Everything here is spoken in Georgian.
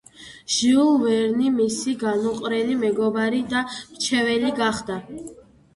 ჟიულ ვერნი მისი განუყრელი მეგობარი და მრჩეველი გახდა.